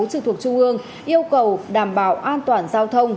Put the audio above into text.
trực thuộc trung ương yêu cầu đảm bảo an toàn giao thông